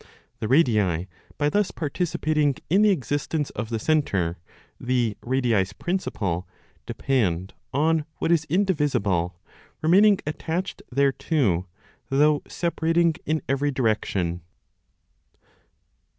The radii by thus participating in the existence of the centre, the radii's principle, depend on what is indivisible, remaining attached thereto, though separating in every direction.